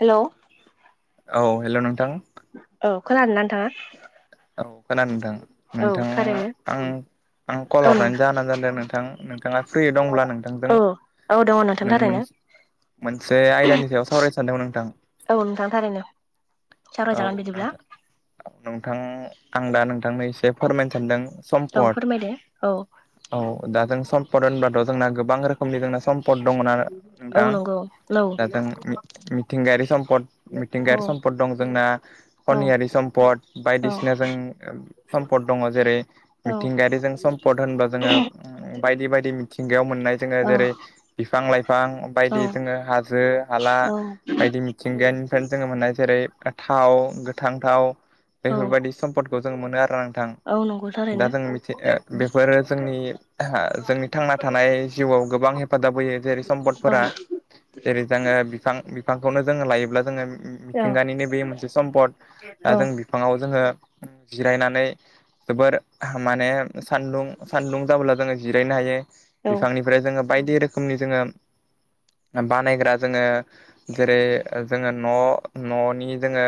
Hello? औ hello नोंथां। औ खोनादोंना नोंथाङा? औ खोनादों नोंथां। औ नोंथां थारैनो आं आं कल औ नों हरनायनि जाहोनानो जादों नोंथां नोंथाङा फ्रि दंब्ला नोंथांजों औ औ दङ नोंथां नों थारैनो। मोनसे आयदानि सायाव सावरायनो सानदोंमोन नोंथां। औ नोंथां थारैनो सावरायजागोन औ बिदिब्ला। नोंथां नोंथां आं दा नोंथांनो एसे फोरमायनो सानदों औ सम्पद फोरमायदो औ औ दा जों सम्पद होनब्लाथ' जोंना गोबां रोखोमनि जोंना सम्पद दङना औ नोंथां? नंगौ औ दा जों मि-मिथिंगायारि सम्पद औ मिथिंगायारि सम्पद दं जोंना औ खनियारि सम्पद औ बायदिसिना जों सम्पद दङ जेरै औ मिथिंगायारि जों सम्पद होनबा जोङो बायदि बायदि मिथिंगायाव मोननाय जोङो औ जेरै बिफां लाइफां बायदि जोङो हाजो हाला औ बायदि मिथिंगानिफ्रायनो जोङो मोननाय जेरै थाव गोथां थाव औ बेफोरबायदि सम्पदखौ जों मोनो आरोना औ नंगौ नोंथां। दा थारैनो जों मिथि बेफोरो जोंनि हा जोंनि थांना थानाय जिउआव गोबां हेफाजाब होयो जेरै औ सम्पदफोरा जेरै जोङो बिफां बिफांखौनो जोङो लायोब्ला जोङो ओ मिथिंगानिनो बे मोनसे सम्पद। दा औ जों बिफाङाव जोङो जिरायनानै जोबोर माने सान्दुं सान्दुं जाबोला जोङो जिरायनो हायो औ बिफांनि फ्राय जोङो बायदि रोखोमनि जोङो बानायग्रा जोङो जेरै ओ जोङो न' न'नि जोङो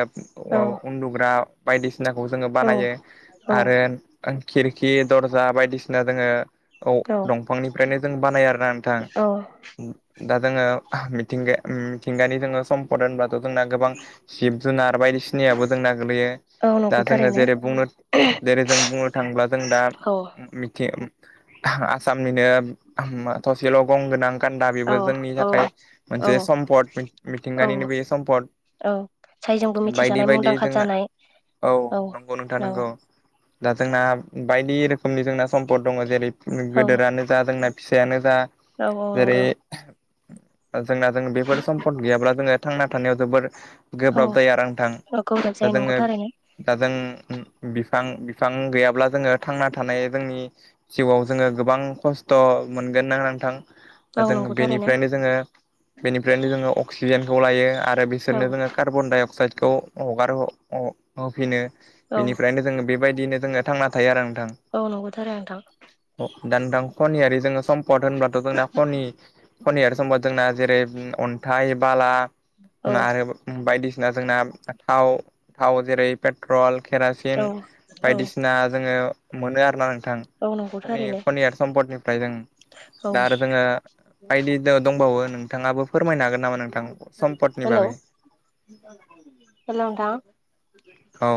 औ ओ उन्दुग्रा बायदिसिनाखौ जोङो औ बानायो औ आरो खिरखि दरजा बायदिसिना जोङो औ दंफांनिफ्रायनो जों बानायो आरोना नोंथां। दा जोङो मिथिंगा मिथिंगानि जोङो सम फद होनबाथ' जोंना गोबां जिब जुनार बायदिसिनायाबो जोंना गोलैयो। औ दा नंगौ जोङो थारैनो जेरै बुंनो जेरै जों बुंनो थाङोब्ला जों दा औ मिथि आसामनिनो मा थसेल' गं गोनां गान्दा बेबो औ जोंनि औ थाखाय औ मोनसे सम्पद औ मिथिंगानिनो बे सम्पद। जायजोंबो बायदि मिथिजानाय बायदि मुंदांखा जोंना जानाय औ नंगौ नोंथां औ नंगौ दा जोंना बायदि रोखोमनि जोंना सम्पद दङ जेरै औ गोदोरानो जा जोंना फिसायानो जा औ जेरै नंगौ जोंना जों बेफोर सम्पद गैयाब्ला जोङो थांना थानायाव जोबोर औ गोब्राब जायो आरो नोंथां औ गोब्राब जायो दा नंगौ जोङो थारैनो दा जों बिफां बिफां गैयाब्ला जोङो थांना थानाय जोंनि जिउआव जोङो गोबां खस्थ' मोनगोन ना नोंथां। औ दा जों नंगौ थारैनो बेनिफ्रायनो जोङो बेनिफ्रायनो जोङो अक्सिजेनखौ लायो आरो औ बिसोरनो जोङो कार्बन डाइ अक्साइदखौ हगार ह होफिनो औ बेनिफ्रायनो जोङो बेबायदिनो जोङो थांना थायो आरो नोंथां। औ नंगौथ' आरो नोंथां। अ दा नोंथां खनि जोङो सम्पद होनब्लाथ' जोंना खनि खनिआरि सम्पद जोंना जेरै उम अन्थाइ बाला। औ ना आरो बायदिसिना जोंना थाव थाव जेरै पेट्रल केरासिन औ औ बायदिसिना जोङो मोनो आरोना नोंथां। औ नंगौ कनि थारैनो कनियारि सम्पदनिफ्राय जों औ दा आरो जोङो बायदि दंबावो नोंथाङाबो फोरमायनो हागोन नामा नोंथां सम्पदनि बागै। हेल' नोंथां। औ।